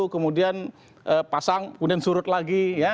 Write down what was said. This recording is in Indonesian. kemudian pasang kemudian surut lagi ya